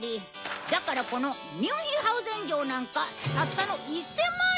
だからこのミュンヒハウゼン城なんかたったの１０００万円だってよ。